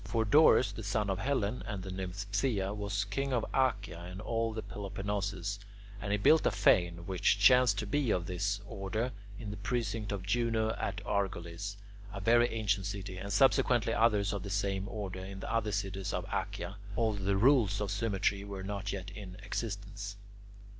For Dorus, the son of Hellen and the nymph Phthia, was king of Achaea and all the Peloponnesus, and he built a fane, which chanced to be of this order, in the precinct of Juno at Argolis, a very ancient city, and subsequently others of the same order in the other cities of Achaea, although the rules of symmetry were not yet in existence.